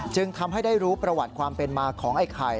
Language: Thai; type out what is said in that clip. จึงทำให้ได้รู้ประวัติความเป็นมาของไอ้ไข่